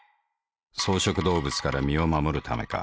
草食動物から身を護るためか。